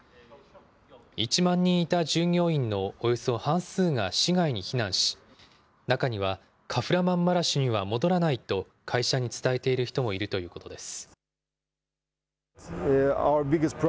１万人いた従業員の、およそ半数が市外に避難し、中にはカフラマンマラシュには戻らないと会社に伝えている人もいるということです。